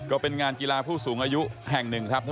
ก็เป็นงานกีฬาผู้สูงอายุแห่งหนึ่งครับ